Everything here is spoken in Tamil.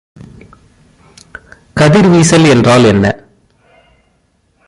கதிர்வீசல் என்றால் என்ன?